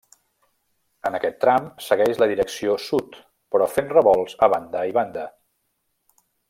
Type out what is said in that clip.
En aquest tram segueix la direcció sud, però fent revolts a banda i banda.